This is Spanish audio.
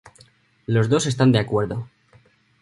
Los dos están de acuerdo.